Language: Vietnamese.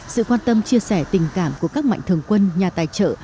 sự quan tâm chia sẻ tình cảm của các mạnh thường quân nhà tài trợ